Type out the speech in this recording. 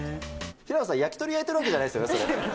平野さん、焼き鳥焼いてるわけじゃないですよね？